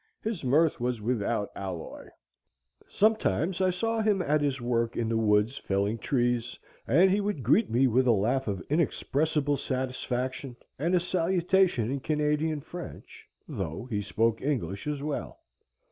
His mirth was without alloy. Sometimes I saw him at his work in the woods, felling trees, and he would greet me with a laugh of inexpressible satisfaction, and a salutation in Canadian French, though he spoke English as well.